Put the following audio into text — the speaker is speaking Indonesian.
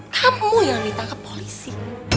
kamu yang ditangkap polisi